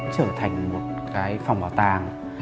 trở thành một cái phòng bảo tàng